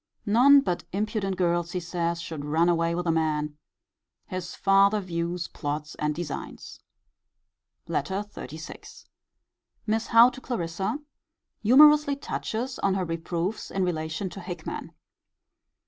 None but impudent girls, he says, should run away with a man. His farther views, plots, and designs. LETTER XXXVI. Miss Howe to Clarissa. Humourously touches on her reproofs in relation to Hickman.